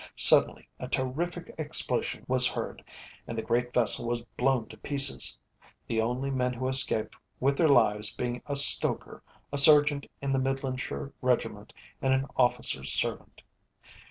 Suddenly a terrific explosion was heard, and the great vessel was blown to pieces, the only men who escaped with their lives being a stoker, a sergeant in the Midlandshire regiment, and an officer's servant.